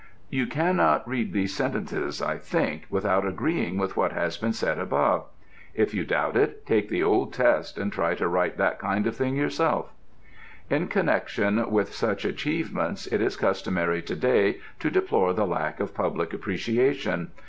ŌĆØ You cannot read these sentences, I think, without agreeing with what has been said above. If you doubt it, take the old test and try to write that kind of thing yourself. In connection with such achievements it is customary to day to deplore the lack of public appreciation.